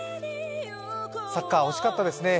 サッカー、惜しかったですね。